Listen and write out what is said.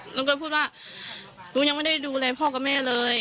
หนูก็พูดว่าหนูยังไม่ได้ดูแลพ่อกับแม่เลย